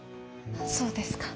そうですか。